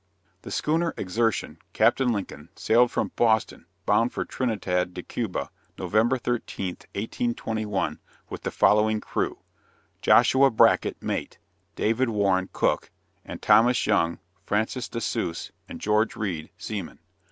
The schooner Exertion, Captain Lincoln, sailed from Boston, bound for Trinidad de Cuba, Nov. 13th, 1821, with the following crew; Joshua Bracket, mate; David Warren, cook; and Thomas Young, Francis De Suze, and George Reed, seamen.